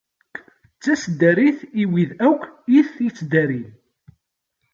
D taseddarit i wid akk i t-ittdarin.